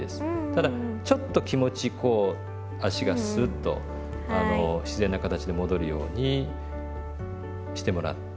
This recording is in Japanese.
ただちょっと気持ちこう足がスッと自然な形で戻るようにしてもらって。